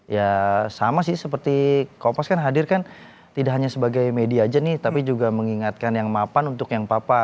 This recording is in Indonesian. ya sama sih seperti kopas kan hadir kan tidak hanya sebagai media aja nih tapi juga mengingatkan yang mapan untuk yang papa